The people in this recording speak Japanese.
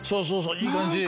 いい感じ。